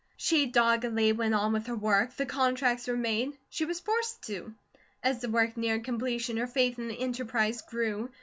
She doggedly went on with her work; the contracts were made; she was forced to. As the work neared completion, her faith in the enterprise grew.